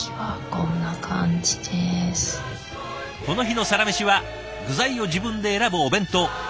この日のサラメシは具材を自分で選ぶお弁当。